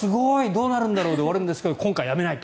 どうなるんだろうで終わるんですけど今回やめない。